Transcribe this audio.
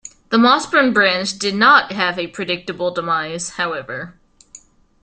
The Mossburn Branch did not have a predictable demise, however.